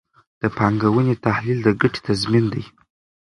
د پانګونې تحلیل د ګټې تضمین دی.